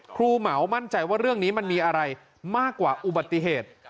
เหมามั่นใจว่าเรื่องนี้มันมีอะไรมากกว่าอุบัติเหตุ